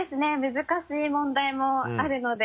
難しい問題もあるので。